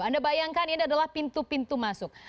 anda bayangkan ini adalah pintu pintu masuk